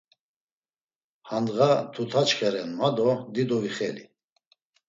Handğa tutaçxa ren ma do dido vixeli.